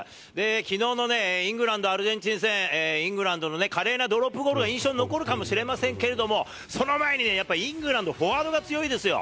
きのうのイングランド・アルゼンチン戦、イングランドの華麗なドロップゴールが印象に残るかもしれませんけれども、その前に、やっぱイングランド、フォワードが強いですよ。